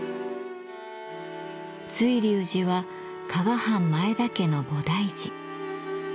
瑞龍寺は加賀藩前田家の菩提寺。